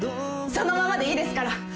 そのままでいいですから。